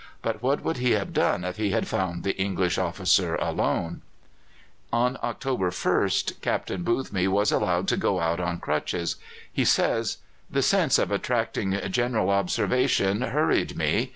But what would he have done if he had found the English officer alone? On October 1 Captain Boothby was allowed to go out on crutches. He says: "The sense of attracting general observation hurried me.